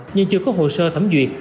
nhưng chưa có hồ sơ thẩm duyệt